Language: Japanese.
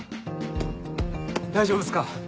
・大丈夫っすか？